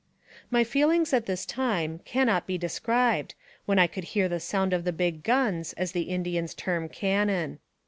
My feelings, all this time, can not be described, when I could hear the sound of the big guns, as the Indians term cannon.